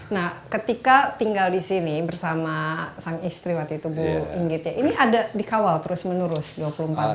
nah ketika tinggal di sini bersama sang istri waktu itu bu inggit ya ini ada dikawal terus menerus dua puluh empat tahun